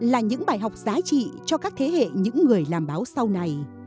là những bài học giá trị cho các thế hệ những người làm báo sau này